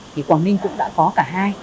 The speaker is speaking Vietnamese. thì quảng ninh cũng đã có cả hai